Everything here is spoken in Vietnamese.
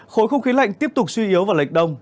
khối không khí lạnh tiếp tục suy yếu vào lệch đông